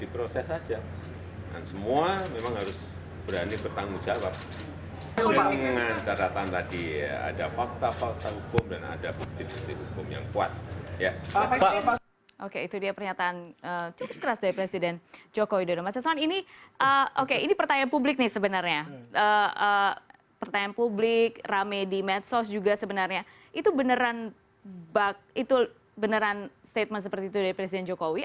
pertanyaan publik rame di medsos juga sebenarnya itu beneran statement seperti itu dari presiden jokowi